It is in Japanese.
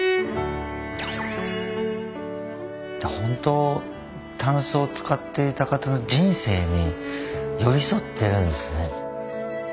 本当たんすを使っていた方の人生に寄り添ってるんですね。